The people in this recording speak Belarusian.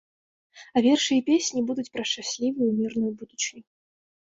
А вершы і песні будуць пра шчаслівую і мірную будучыню.